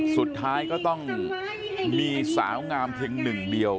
สุดท้ายก็ต้องมีสาวงามเพียงหนึ่งเดียว